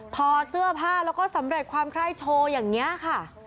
ทอเสื้อผ้าแล้วก็สำเร็จความไคร้โชว์อย่างนี้ค่ะ